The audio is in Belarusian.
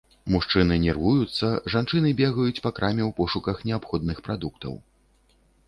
Мужчыны нервуюцца, жанчыны бегаюць па краме ў пошуках неабходных прадуктаў.